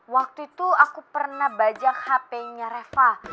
waktu itu aku pernah bajak hp nya reva